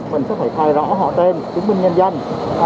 mình sẽ phải khai rõ họ tên chúng mình nhân danh